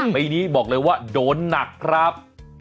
ปีนี้บอกเลยว่าโดนหนักครับ